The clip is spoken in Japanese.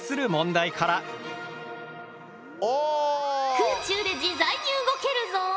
空中で自在に動けるぞ。